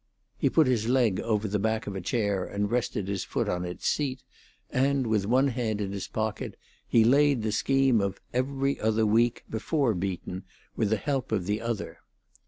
He put his leg over the back of a chair and rested his foot on its seat, and, with one hand in his pocket, he laid the scheme of 'Every Other Week' before Beaton with the help of the other.